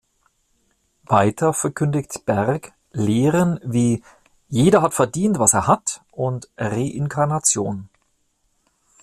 Weiter verkündigt Berg Lehren wie „Jeder hat verdient, was er hat“ und Reinkarnation.